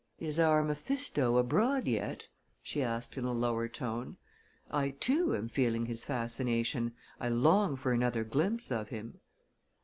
Is our Mephisto abroad yet?" she asked, in a lower tone. "I, too, am feeling his fascination I long for another glimpse of him."